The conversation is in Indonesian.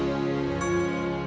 tunggu papa dulu